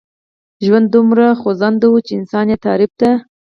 ژوند دومره خوځنده و چې انسان يې تعريف ته.